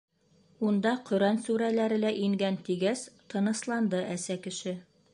Унда Ҡөрьән сүрәләре лә ингән, тигәс тынысланды әсә кеше.